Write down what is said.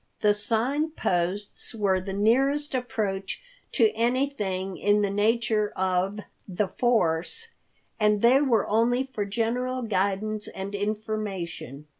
The Sign Posts were the nearest approach to anything in the nature of "the force," and they were only for general guidance and information.